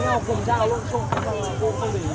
người bị thương chạy đi về hướng nào